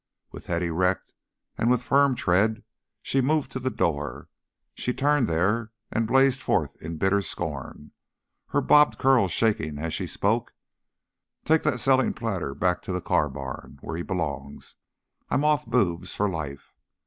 With head erect and with firm tread she moved to the door; she turned there and blazed forth in bitter scorn, her bobbed curls shaking as she spoke: "Take that selling plater back to the car barn, where he belongs. I'm off boobs for life.